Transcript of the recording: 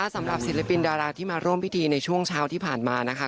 สำหรับศิลปินดาราที่มาร่วมพิธีในช่วงเช้าที่ผ่านมานะคะ